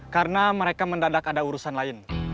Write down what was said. karena mereka mendadak ada urusan lain